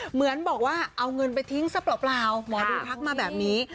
เหมือนบอกว่าเอาเงินไปทิ้งซะเปล่าหมอดูทักมาแบบนี้